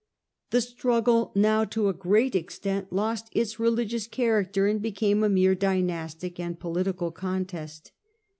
The struggle now to a great extent lost its religious character and became a mere dynastic and political contest.